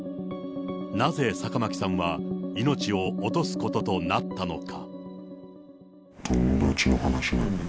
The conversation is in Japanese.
なぜ坂巻さんは命を落とすこととなったのか。